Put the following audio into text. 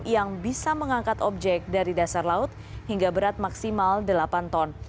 yang bisa mengangkat objek dari dasar laut hingga berat maksimal delapan ton